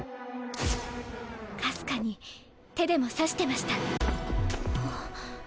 かすかに手でも指してました。